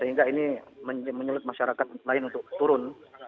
sehingga ini menyulut masyarakat lain untuk turun